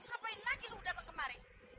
ngapain lagi lu datang kemari